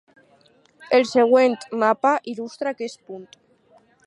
El següent mapa il·lustra aquest punt.